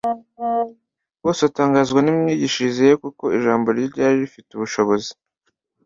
bose batangazwa n'imyigishirize ye "Kuko ijambo rye ryari rifite ubushobozi.